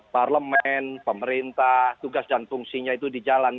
parlement pemerintah tugas dan fungsinya itu dijawab